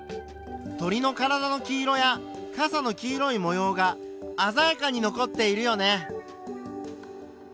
鳥の体の黄色やかさの黄色いも様があざやかに残っているよね。